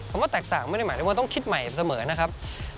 ว่าแตกต่างไม่ได้หมายถึงว่าต้องคิดใหม่เสมอนะครับ